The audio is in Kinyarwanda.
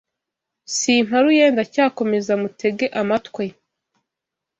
Simparuye ndacyakomeza mutege amatwe